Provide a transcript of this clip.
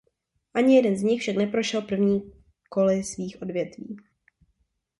Ani jeden z nich však neprošel první koly svých odvětví.